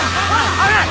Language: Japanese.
危ない！